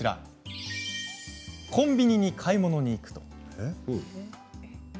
コンビニに買い物に行くと。